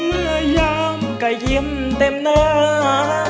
เมื่อยามก็ยิ้มเต็มหน้า